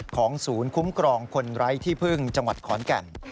ของศูนย์คุ้มครองคนไร้ที่พึ่งจังหวัดขอนแก่น